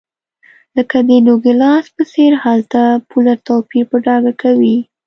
لکه د نوګالس په څېر هلته پوله توپیر په ډاګه کوي.